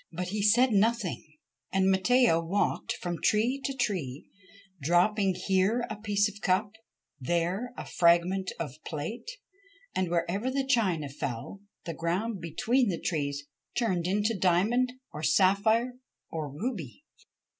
But he said nothing, and Matteo walked from tree to tree, dropping here a piece of cup, there a fragment of plate ; and, wherever the china fell, the ground between the trees turned to diamond or sapphire or ruby.